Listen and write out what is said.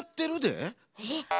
えっ？